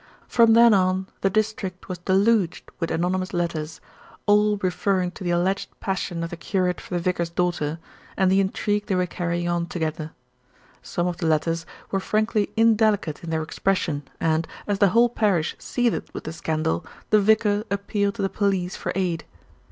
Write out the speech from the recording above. From then on the district was deluged with anonymous letters, all referring to the alleged passion of the curate for the vicar's daughter, and the intrigue they were carrying on together. Some of the letters were frankly indelicate in their expression and, as the whole parish seethed with the scandal, the vicar appealed to the police for aid.